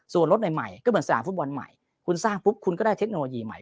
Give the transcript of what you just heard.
ส่วนรถใหม่ก็เหมือนสนามฟุตบอลใหม่คุณสร้างปุ๊บคุณก็ได้เทคโนโลยีใหม่